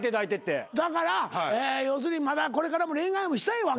だから要するにこれからも恋愛もしたいわけやろ。